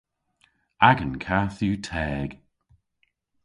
Agan kath yw teg.